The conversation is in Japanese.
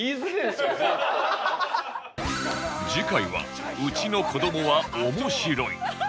次回はうちの子どもは面白い